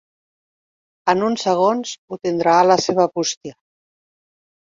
En uns segons ho tindrà a la seva bústia.